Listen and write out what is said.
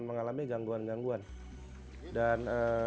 mengalami gangguan gangguan dan